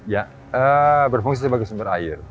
ya berfungsi sebagai sumber air